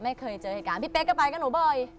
ไม่เคยเจอเหตุการณ์พี่เป๊กก็ไปกับหนูบ่อย